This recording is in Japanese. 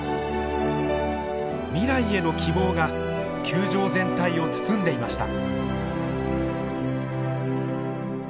未来への希望が球場全体を包んでいました。